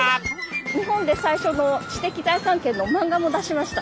日本で最初の知的財産権のマンガを出しました。